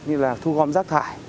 như là thu gom rác thải